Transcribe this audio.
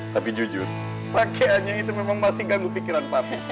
tapi jujur pakaiannya itu memang masih ganggu pikiran publik